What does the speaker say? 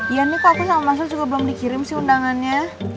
ya nih kok aku sama mas al juga belum dikirim sih undangannya